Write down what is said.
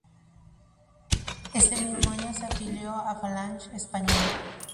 Ese mismo año se afilió a Falange Española.